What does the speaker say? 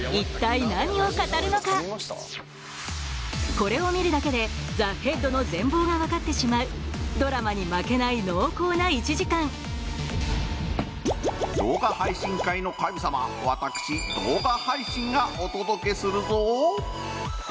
これを見るだけで『ＴＨＥＨＥＡＤ』の全貌が分かってしまうドラマに負けない濃厚な１時間動画配信界の神様私。がお届けするぞ。